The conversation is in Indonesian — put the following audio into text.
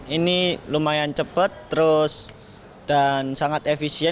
ini lumayan cepat dan sangat efisien